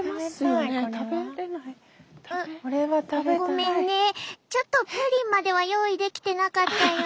ごめんねちょっとプリンまでは用意できてなかったよ。